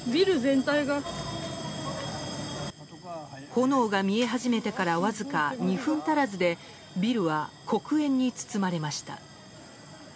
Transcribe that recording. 炎が見え始めてからわずか２分足らずでビルは黒煙に包まれました。